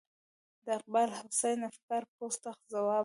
د اقبال حسین افګار پوسټ ته ځواب و.